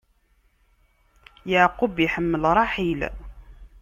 Yeɛqub iḥemmel Ṛaḥil.